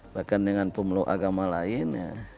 bahkan dengan pemeluk agama lain